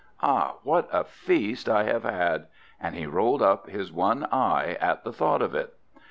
Ah, what a feast I have had!" And he rolled up his one eye at the thought of it.